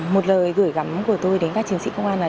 một lời gửi gắm của tôi đến các chiến sĩ công an là